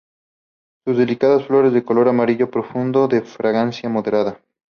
Sus delicadas flores de color amarillo profundo, de fragancia moderada.